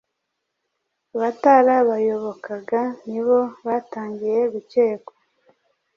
Abatari abayobokaga ni bo batangiye gukekwa